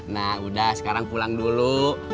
nah udah sekarang pulang dulu